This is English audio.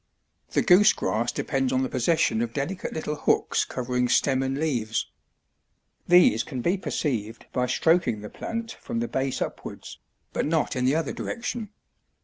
The goose grass depends on the possession of delicate little hooks covering stem and leaves. These can be perceived by stroking the plant from the base upwards, but not in the other direction.